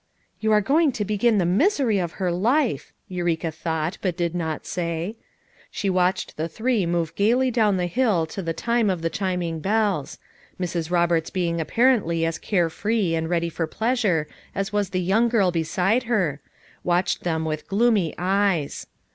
"You are going to begin the misery of her life!" Eureka thought, but did not say. She watched the three move gayly down the hill to the time of the chiming bells, — Mrs. Roberts be ing apparently as care free and ready for pleas ure as was the young girl beside her — watched them with gloomy eyes.